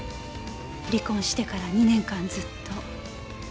離婚してから２年間ずっと。